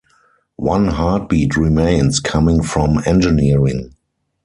One heartbeat remains, coming from Engineering.